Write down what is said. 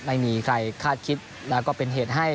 ไม่มีใครคาดคิดแล้วก็เป็นเหตุให้